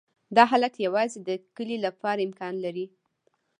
دا حالت یوازې د کلې لپاره امکان لري